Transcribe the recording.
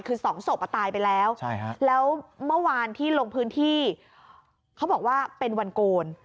คือสองศพตายไปแล้วแล้วเมื่อวานที่ลงพื้นที่เขาบอกว่าเป็นวันโกน